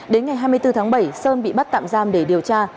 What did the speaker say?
đến ngày hai mươi bốn tháng bảy sơn bị bắt tạm giam để điều tra